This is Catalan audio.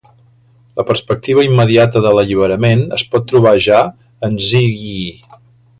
La perspectiva immediata de l'alliberament es pot trobar ja en Zhìyì.